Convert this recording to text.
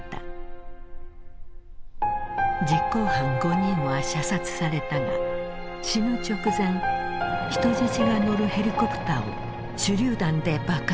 実行犯５人は射殺されたが死ぬ直前人質が乗るヘリコプターを手榴弾で爆破した。